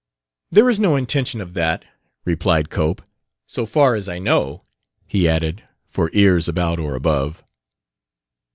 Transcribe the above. "There is no intention of that," replied Cope; " so far as I know," he added, for ears about or above.